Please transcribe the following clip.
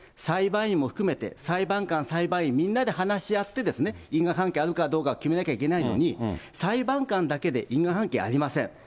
裁判員も含めて、裁判官、裁判員みんなで話し合って、因果関係あるかどうか決めなきゃいけないのに、裁判官だけで因果関係ありません。